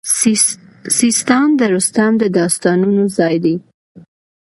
سیستان د رستم د داستانونو ځای دی